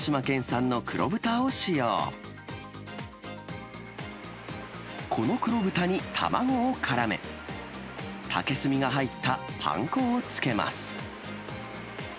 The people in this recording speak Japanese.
この黒豚に卵をからめ、竹炭が入ったパン粉をつけます。